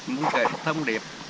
muốn kể thông điệp